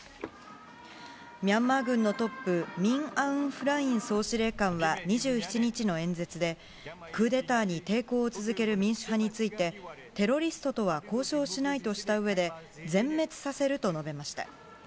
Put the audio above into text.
ミャンマー軍のトップミン・アウン・フライン総司令官は２７日の演説でクーデターに抵抗を続ける民主派について、テロリストとは交渉しないとしたうえで全滅させると述べました。